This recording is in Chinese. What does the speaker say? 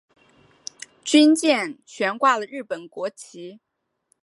军舰悬挂了日本国旗。